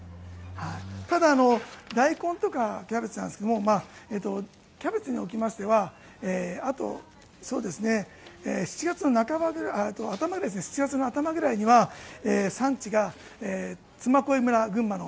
ただ、ダイコンとかキャベツなんですがキャベツにおきましては７月の頭ぐらいには産地が嬬恋村、群馬の